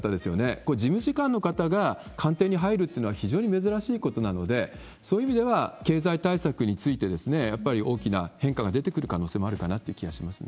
これ、事務次官の方が官邸に入るっていうのは非常に珍しいことなので、そういう意味では経済対策についてやっぱり大きな変化が出てくる可能性もあるかなって気がしますね。